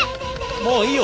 もういいよ。